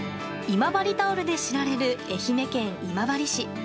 今治タオルで知られる愛媛県今治市。